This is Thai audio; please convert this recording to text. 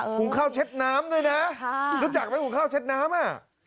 หุงข้าวเช็ดน้ำด้วยนะคุณรู้จักไหมหุงข้าวเช็ดน้ำอ่ะ